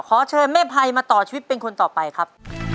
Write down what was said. ขอเชิญแม่ภัยมาต่อชีวิตเป็นคนต่อไปครับ